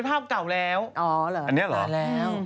เป็นภาพเก่าแล้ว